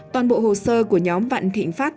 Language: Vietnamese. toàn bộ hồ sơ của nhóm vạn thịnh phát